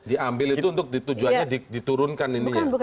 diambil itu untuk tujuannya diturunkan ini ya